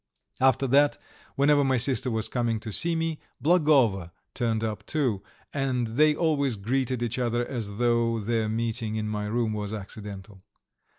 After that, whenever my sister was coming to see me Blagovo turned up too, and they always greeted each other as though their meeting in my room was accidental.